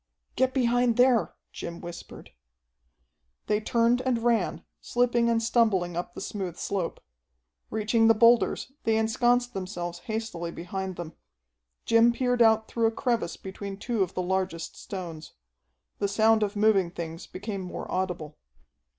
"Get behind there!" Jim whispered. They turned and ran, slipping and stumbling up the smooth slope. Reaching the boulders, they ensconced themselves hastily behind them. Jim peered out through a crevice between two of the largest stones. The sound of moving things became more audible.